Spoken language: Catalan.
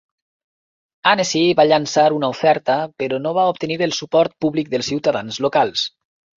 Annecy va llançar una oferta, però no va obtenir el suport públic dels ciutadans locals.